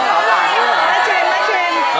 มาเชิญ